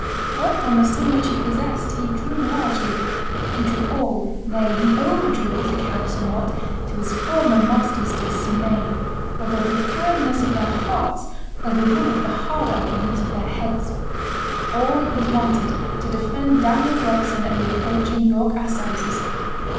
But on the sum which he possessed he drew largely he drew all nay, he overdrew his account somewhat, to his former masters' dismay, although the kindness of their hearts overruled the harder arguments of their heads. All was wanted to defend Daniel Robson at the approaching York assizes.